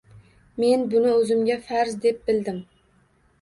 Men buni o‘zimga farz deb bildim